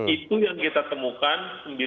itu yang kita temukan